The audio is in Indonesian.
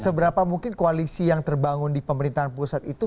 seberapa mungkin koalisi yang terbangun di pemerintahan pusat itu